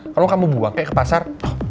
kalau kamu buang kayak ke pasar